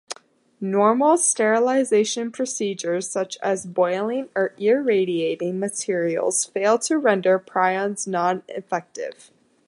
Normal sterilization procedures such as boiling or irradiating materials fail to render prions non-infective.